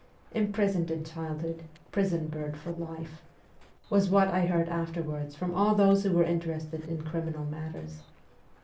' Imprisoned in childhood : prison bird for life,' was what I heard afterwards from all those who were interested in criminal matters.